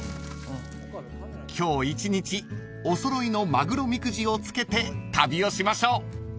［今日一日お揃いの鮪みくじをつけて旅をしましょう］